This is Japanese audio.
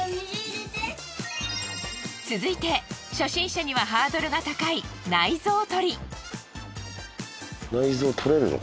続いて初心者にはハードルが高い内臓とり。